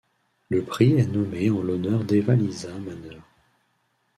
Le prix est nommé en l'honneur d'Eeva-Liisa Manner.